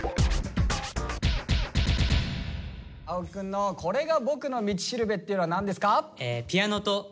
青木くんの「これが僕の道しるべ」っていうのは何ですか？